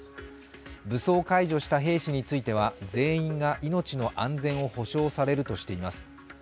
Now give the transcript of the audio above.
武装解除した兵士については全員が命の安全を保証されるとしています。